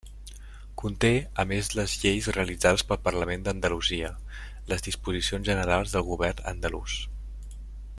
Conté, a més les lleis realitzades pel Parlament d'Andalusia, les disposicions generals del Govern andalús.